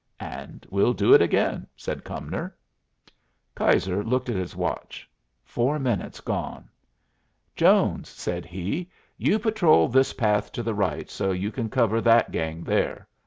"And we'll do it again," said Cumnor. Keyser looked at his watch: Four minutes gone. "Jones," said he, "you patrol this path to the right so you can cover that gang there.